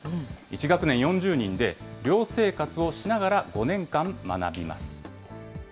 １学年４０人で、寮生活をしながら５年間、学びます。